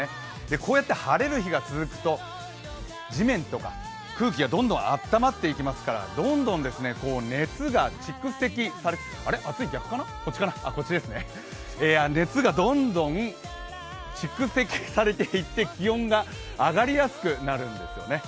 こうやって晴れる日が続くと地面とか空気がどんどん暖まっていきますからどんどん熱が蓄積されあれ、こっちかな、熱がどんどん蓄積されていって、気温が上がりやすくなるんですね。